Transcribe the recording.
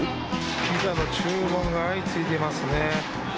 ピザの注文が相次いでいますね。